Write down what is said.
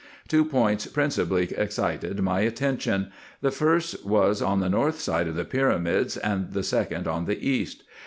Two points principally excited my attention : the first was on the north side of the pyramids, and the second on the east.